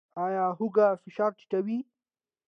ایا هوږه فشار ټیټوي؟